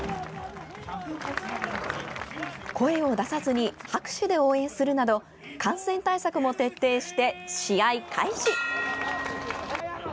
声を出さずに拍手で応援するなど感染対策も徹底して、試合開始。